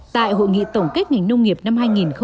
tại hội nghị tổng kết ngành nông nghiệp năm hai nghìn một mươi chín